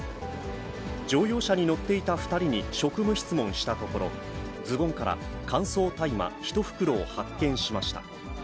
乗用車に乗っていた２人に職務質問したところ、ズボンから乾燥大麻１袋を発見しました。